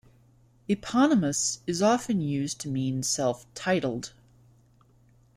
"Eponymous" is often used to mean "self-titled.